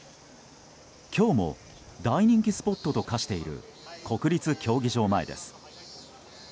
今日も大人気スポットと化している国立競技場前です。